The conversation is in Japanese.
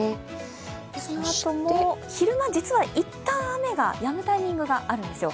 そのあとも昼間実はいったん雨がやむタイミングがあるんですよ。